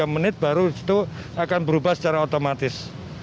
tiga menit baru itu akan berubah secara otomatis